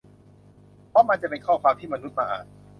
เพราะมันจะเป็นข้อความที่มนุษย์มาอ่าน